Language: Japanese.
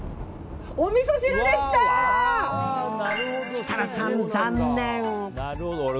設楽さん、残念。